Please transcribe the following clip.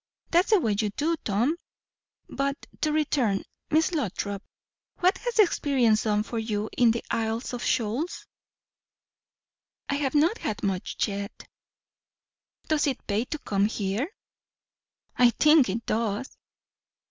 That's the way you do, Tom. But to return Miss Lothrop, what has experience done for you in the Isles of Shoals?" "I have not had much yet." "Does it pay to come here?" "I think it does."